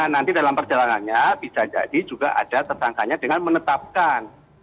nanti dalam perjalanannya bisa jadi juga ada tersangkanya dengan menetapkan